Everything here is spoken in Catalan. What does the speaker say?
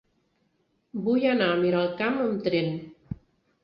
Vull anar a Miralcamp amb tren.